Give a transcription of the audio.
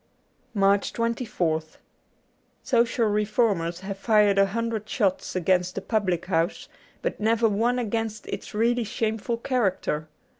* 89 MARCH 24th SOCIAL reformers have fired a hundred shots against the public house, but never one against its really shameful character.